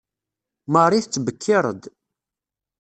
Marie tettbekkiṛ-d.